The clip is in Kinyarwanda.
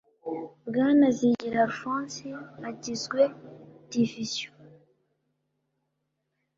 bwana zigira alphonse agizwe divisiziyo